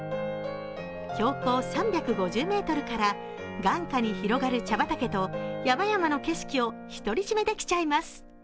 標高３５０ｍから眼下に広がる茶畑と山々の景色を独り占めできちゃいます。